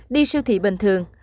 đi siêu thị bình thường